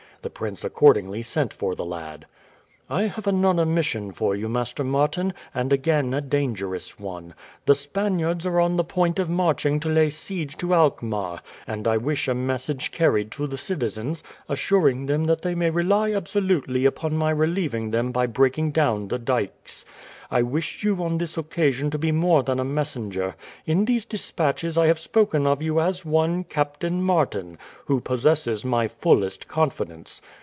The prince accordingly sent for the lad. "I have another mission for you, Master Martin; and again a dangerous one. The Spaniards are on the point of marching to lay siege to Alkmaar, and I wish a message carried to the citizens, assuring them that they may rely absolutely upon my relieving them by breaking down the dykes. I wish you on this occasion to be more than a messenger. In these despatches I have spoken of you as one, Captain Martin, who possesses my fullest confidence.